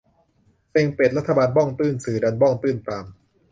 เซ็งเป็ด รัฐบาลบ้องตื้น สื่อดันบ้องตื้นตาม -_